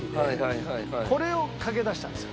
これをかけだしたんですよ。